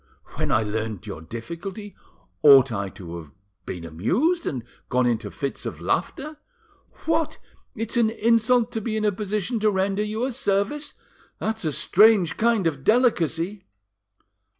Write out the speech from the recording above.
When I learned your difficulty, ought I to have been amused, and gone into fits of laughter? What! it's an insult to be in a position to render you a service! That's a strange kind of delicacy!"